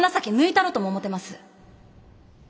たろとも思てます。